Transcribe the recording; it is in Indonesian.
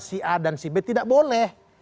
si a dan si b tidak boleh